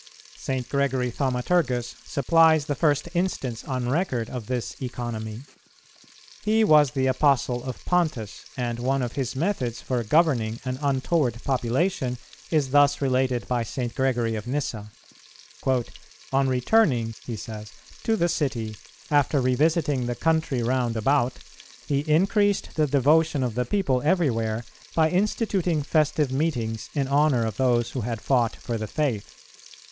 St. Gregory Thaumaturgus supplies the first instance on record of this economy. He was the Apostle of Pontus, and one of his methods for governing an untoward population is thus related by St. Gregory of Nyssa. "On returning," he says, "to the city, after revisiting the country round about, he increased the devotion of the people everywhere by instituting festive meetings in honour of those who had fought for the faith.